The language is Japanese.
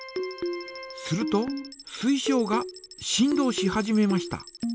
すると水晶が振動し始めました。